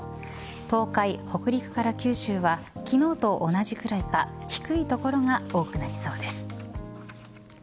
東海、北陸から九州は昨日と同じくらいか低い所が多くなりそうです。